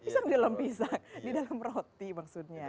pisang dalam pisang di dalam roti maksudnya